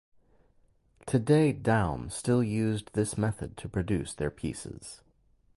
Today Daum still used this method to produce their pieces.